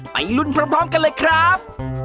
ลุ้นพร้อมกันเลยครับ